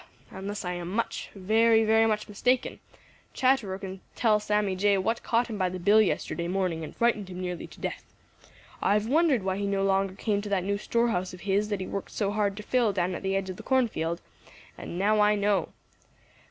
Unless I am much, very, very much mistaken, Chatterer can tell Sammy Jay what caught him by the bill yesterday morning and frightened him nearly to death. I've wondered why he no longer came to that new store house of his that he worked so hard to fill down at the edge of the cornfield, and now I know.